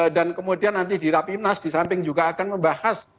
dan kemudian nanti di rapimnas disamping juga akan membahas